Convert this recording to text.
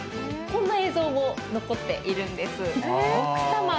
こんな映像も残っているんです。